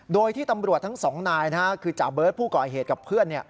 โดยที่ตำรวจทั้งสองนายคือจ่าเบิร์ตผู้ก่อเหตุกับเพื่อน